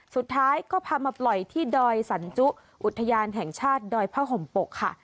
สุดท้ายก็พามาปล่อยที่ดอยสันจุอุทยานแห่งชาติดอยผ้าห่มปกค่ะ